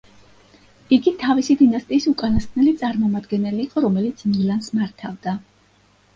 იგი თავისი დინასტიის უკანასკნელი წარმომადგენელი იყო, რომელიც მილანს მართავდა.